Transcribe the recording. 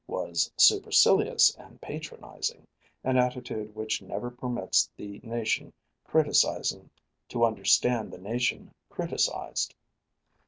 was supercilious and patronizing, an attitude which never permits the nation criticising to understand the nation criticised."